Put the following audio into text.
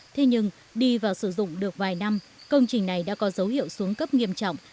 thế nhưng đi vào sử dụng được vài năm công trình này đã có dấu hiệu xuống cấp nghiêm trọng